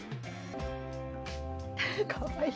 かわいい。